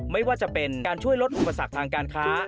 ไม่ว่าจะเป็นการช่วยลดอุปสรรคทางการค้า